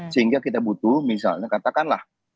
sehingga kita butuh misalnya katakanlah